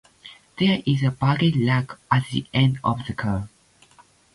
There is a baggage rack at the end of the car.